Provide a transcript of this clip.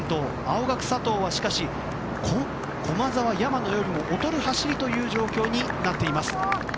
青学の佐藤は駒澤、山野より劣る走りという状況になっています。